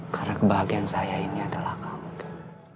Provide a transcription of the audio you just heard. karena kebahagiaan saya ini adalah kamu kate